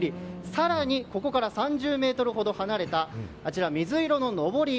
更にここから３０ｍほど離れたあちらの水色ののぼり